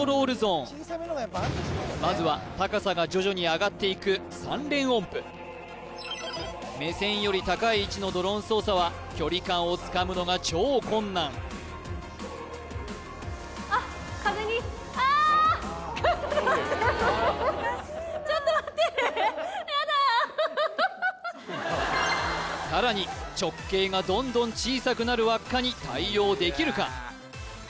まずは高さが徐々に上がっていく目線より高い位置のドローン操作は距離感をつかむのが超困難あっ風にあーっちょっと待ってさらに直径がどんどん小さくなる輪っかに対応できるか？